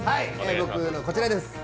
僕のはこちらです